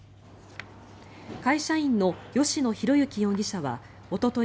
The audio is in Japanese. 会社員の吉野浩之容疑者はおととい